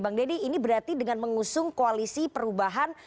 bang deddy ini berarti dengan mengusung koalisi perubahan